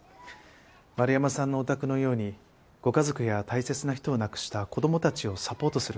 丸山さんのお宅のようにご家族や大切な人を亡くした子どもたちをサポートする会です。